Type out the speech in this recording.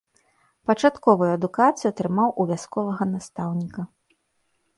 Пачатковую адукацыю атрымаў у вясковага настаўніка.